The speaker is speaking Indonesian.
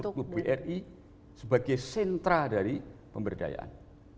untuk bri sebagai sentra dari pemberdayaan